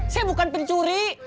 saya bukan pencuri